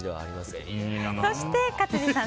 そして、勝地さん